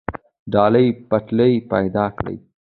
ډلې ټپلې پیدا کړې